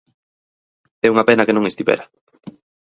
É unha pena que non estivera.